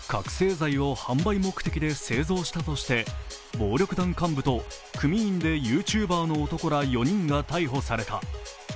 覚醒剤を販売目的で製造したとして暴力団幹部と組員でＹｏｕＴｕｂｅｒの男ら４人が逮捕された。